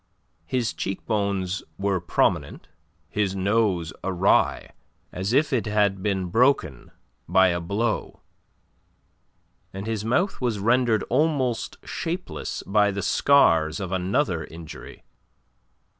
His cheek bones were prominent, his nose awry, as if it had been broken by a blow, and his mouth was rendered almost shapeless by the scars of another injury.